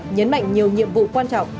nhấn mạnh nhiều nhiệm vụ quan trọng